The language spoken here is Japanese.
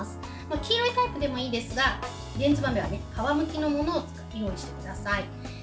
黄色いタイプでもいいですがレンズ豆は皮むきのものを用意してください。